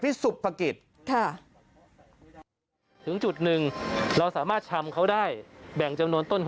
สุภกิจค่ะถึงจุดหนึ่งเราสามารถชำเขาได้แบ่งจำนวนต้น